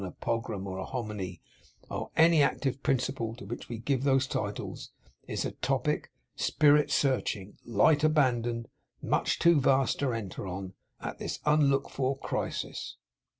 a Pogram or a Hominy, or any active principle to which we give those titles, is a topic, Spirit searching, light abandoned, much too vast to enter on, at this unlooked for crisis.